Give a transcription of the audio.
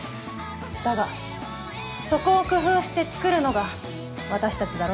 だがそこを工夫して作るのが私たちだろ？